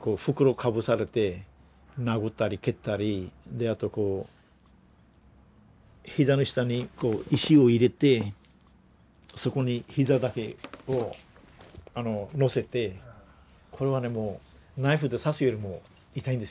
こう袋かぶされて殴ったり蹴ったりあとこう膝の下にこう石を入れてそこに膝だけをのせてこれはねもうナイフで刺すよりも痛いんですよ。